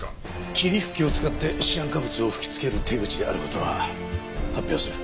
霧吹きを使ってシアン化物を吹き付ける手口である事は発表する。